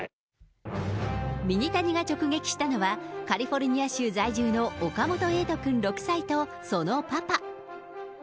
ミニタニが直撃したのは、カリフォルニア州在住の岡本えいとくん６歳とそのパパ。